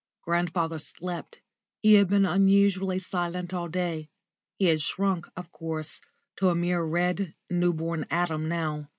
Grandfather slept. He had been unusually silent all day. He had shrunk, of course, to a mere red, new born atom now.